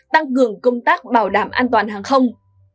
tăng cường công tác bảo đảm an toàn hàng không